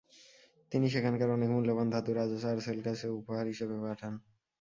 তিনি সেখানকার অনেক মূল্যবান ধাতু রাজা চার্লসের কাছে উপহার হিসেবে পাঠান।